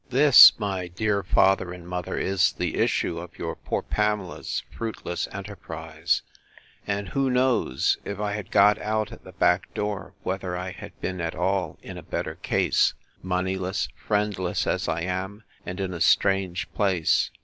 This, my dear father and mother, is the issue of your poor Pamela's fruitless enterprise; and who knows, if I had got out at the back door, whether I had been at all in a better case, moneyless, friendless, as I am, and in a strange place!